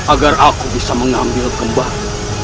agar aku bisa mengambil kembali